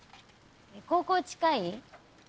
高校近い？